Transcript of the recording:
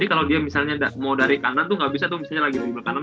jadi kalo dia misalnya mau dari kanan tuh gabisa tuh misalnya lagi beli belakang